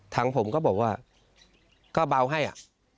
ทางผมก็บอกว่าก็เบาให้อ่ะ